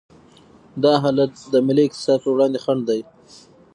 دا حالت د ملي اقتصاد پر وړاندې خنډ دی.